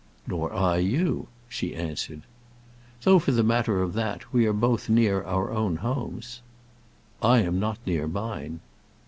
"Nor I you," she answered. "Though, for the matter of that, we are both near our own homes." "I am not near mine."